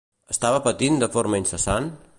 Estava patint de forma incessant?